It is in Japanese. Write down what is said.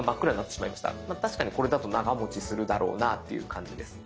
確かにこれだと長持ちするだろうなっていう感じです。